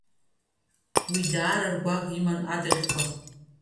Уи даара ргәаӷ иман адаӷьқәа.